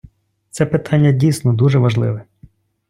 Це питання дійсно дуже важливе.